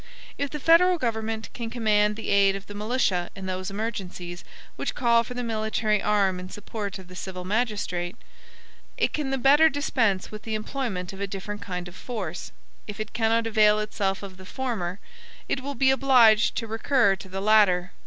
If the federal government can command the aid of the militia in those emergencies which call for the military arm in support of the civil magistrate, it can the better dispense with the employment of a different kind of force. If it cannot avail itself of the former, it will be obliged to recur to the latter.